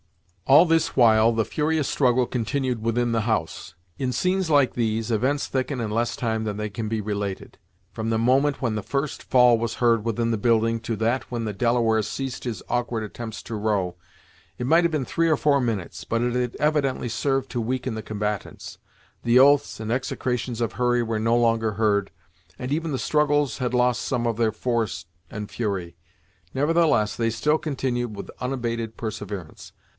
All this while the furious struggle continued within the house. In scenes like these, events thicken in less time than they can be related. From the moment when the first fall was heard within the building to that when the Delaware ceased his awkward attempts to row, it might have been three or four minutes, but it had evidently served to weaken the combatants. The oaths and execrations of Hurry were no longer heard, and even the struggles had lost some of their force and fury. Nevertheless they still continued with unabated perseverance.